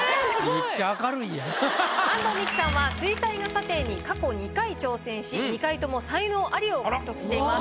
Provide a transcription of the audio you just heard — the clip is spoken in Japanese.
安藤美姫さんは水彩画査定に過去２回挑戦し２回とも才能アリを獲得しています。